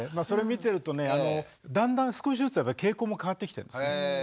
それ見てるとねだんだん少しずつやっぱり傾向も変わってきてるんですね。